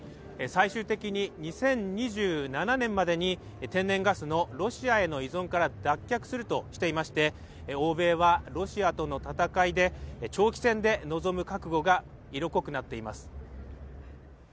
最終的に２０２７年までに天然ガスのロシアへの依存から脱却するとしていまして欧米はロシアとの戦いで、長期戦で臨む覚悟が色濃くなっています。